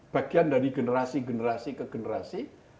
bagian dari generasi generasi ke generasi